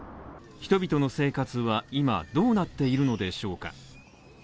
人々の生活は今、どうなっているのでしょうか。